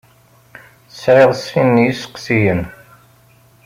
Sɛiɣ sin n yisseqsiyen.